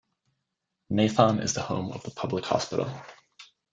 Nathon is the home of the public hospital.